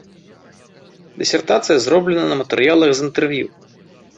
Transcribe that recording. Дысертацыя зроблена на матэрыялах з інтэрв'ю.